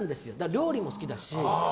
料理も好きだし。